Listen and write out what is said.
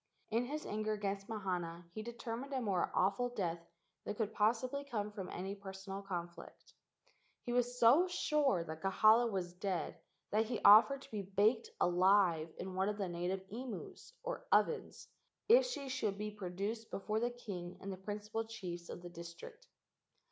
In his anger against Mahana he determined a more awful death than could possibly come from any personal conflict. He was so sure that Kahala was dead that he offered to be baked alive in one of the native imus, or ovens, if she should be pro¬ duced before the king and the principal chiefs of the district.